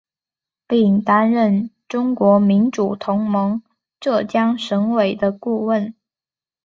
并担任中国民主同盟浙江省委的顾问。